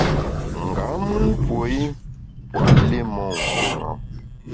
Nga mùn puo i pua’ li mon mvùeṅam.